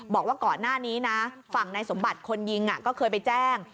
บอกว่าก่อนหน้านี้นะฝั่งในสมบัติคนยิงก็เคยไปแจ้ง